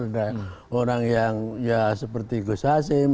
ada orang yang ya seperti gus hasim